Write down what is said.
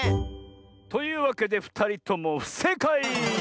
というわけでふたりともふせいかい！